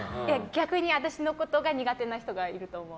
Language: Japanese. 逆に私のことが苦手な人がいると思う。